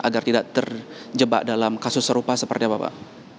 agar tidak terjebak dalam kasus serupa seperti apa pak